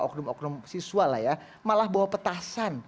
oknum oknum siswa lah ya malah bawa petasan